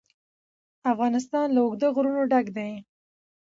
افغانستان له اوږده غرونه ډک دی.